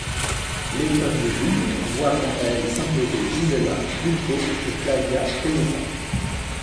L'épreuve de double voit quant à elle s'imposer Gisela Dulko et Flavia Pennetta.